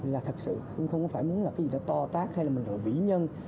là thật sự hưng không có phải muốn là cái gì đó to tác hay là mình là vĩ nhân